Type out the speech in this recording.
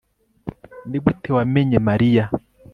nigute wamenye mariya